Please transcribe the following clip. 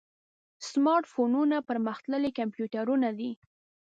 سمارټ فونونه پرمختللي کمپیوټرونه دي.